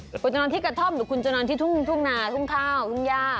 คุณจะนอนที่กระท่อมหรือคุณจะนอนที่ทุ่งนาทุ่งข้าวทุ่งย่า